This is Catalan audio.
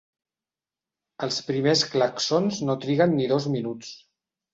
Els primers clàxons no triguen ni dos minuts.